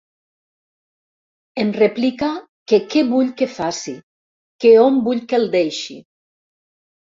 Em replica que què vull que faci, que on vull que el deixi.